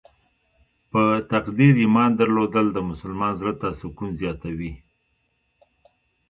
په تقدیر ایمان درلودل د مسلمان زړه ته سکون زیاتوي.